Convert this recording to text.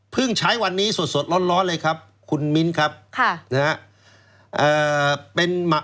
เพิ่งใช้วันนี้สดร้อนเลยครับคุณมิ้นครับค่ะ